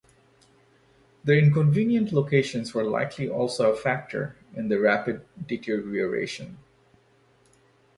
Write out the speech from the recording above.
Their inconvenient locations were likely also a factor in their rapid deterioration.